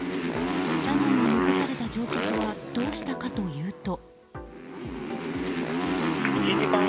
車内に残された乗客はどうしたかというと。